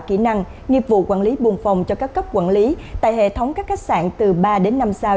kỹ năng nghiệp vụ quản lý buồn phòng cho các cấp quản lý tại hệ thống các khách sạn từ ba đến năm sao